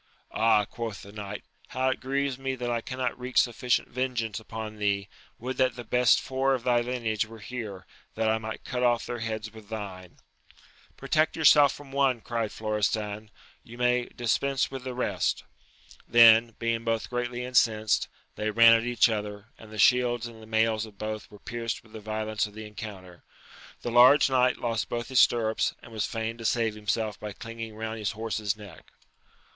Ah, quoth the knight, how it grieves me that I cannot wreak sufficient vengeance upon thee ! would that the best four of thy lineage were here, that I might cut off their heads with thine ! Protect yourself from one, cried Florestan, you may dispense with the rest Then, being both greatly incensed, they ran at each other, and the shields and the mails of both were pierced with the violence of the encounter : the large knight lost both his stirrups, and was fain to save himself by clinging round his horse's neck.